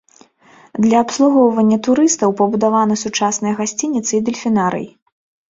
Для абслугоўвання турыстаў пабудаваны сучасныя гасцініцы і дэльфінарый.